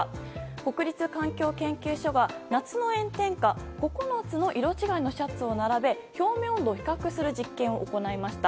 国立環境研究所が夏の炎天下９つの色違いのシャツを並べ表面温度を比較する実験を行いました。